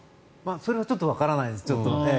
それはちょっとわからないです。